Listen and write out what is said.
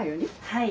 はい。